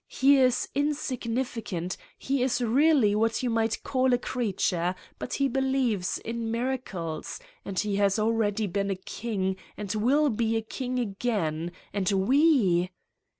He is is insignificant, he is really what you might call a creature, but he believes in miracles. And he has already been a king and will be a king again! And we!